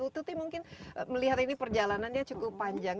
bu tuti mungkin melihat ini perjalanannya cukup panjang